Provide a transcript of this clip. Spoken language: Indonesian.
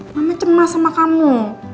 mama cemas sama kamu